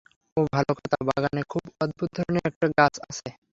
ও ভালো কথা, বাগানে খুব অদ্ভুত ধরনের একটা গাছ আছে।